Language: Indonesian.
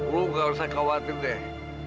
lu gak usah khawatir deh